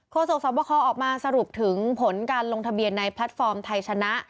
โศกสวบคอออกมาสรุปถึงผลการลงทะเบียนในแพลตฟอร์มไทยชนะ